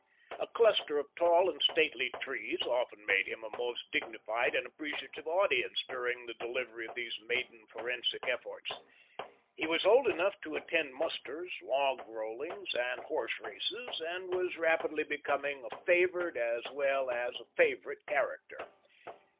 A cluster of tall and stately trees often made him a most dignified and appeciative audience during the delivery of these maiden forensic efforts. He was old enough to attend musters, log rollings, and horse races, and was rapidly becoming a favored as well as favorite character.